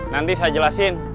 nanti saya jelasin